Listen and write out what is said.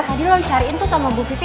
tadi lo dicariin tuh sama bu vivi